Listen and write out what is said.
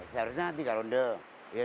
seharusnya tiga ronde